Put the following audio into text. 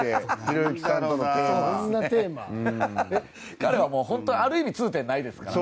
彼は本当にある意味、痛点ないですから。